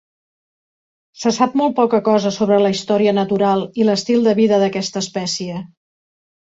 Se sap molt poca cosa sobre la història natural i l'estil de vida d'aquesta espècie.